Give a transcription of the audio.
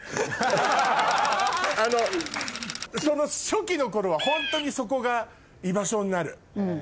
その初期の頃はホントにそこが居場所になる。